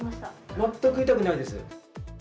全く痛くないです。